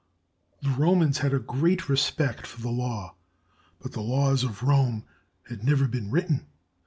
The Romans had a great respect for law, but the laws of Rome had never been written.